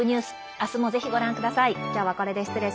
明日もぜひご覧ください。